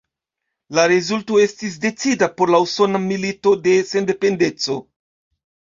La rezulto estis decida por la Usona Milito de Sendependeco.